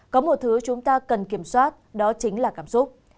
có một thứ chúng ta cần kiểm soát đó chính là cảm xúc